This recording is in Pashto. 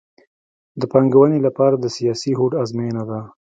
د پانګونې لپاره د سیاسي هوډ ازموینه ده